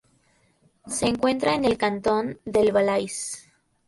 Se encuentra en el cantón del Valais.